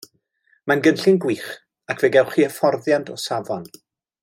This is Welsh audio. Mae'n gynllun gwych ac fe gewch chi hyfforddiant o safon.